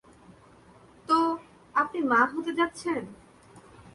তো আপনি মা হতে যাচ্ছেন।